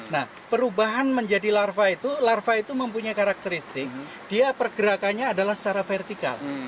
nah perubahan menjadi larva itu larva itu mempunyai karakteristik dia pergerakannya adalah secara vertikal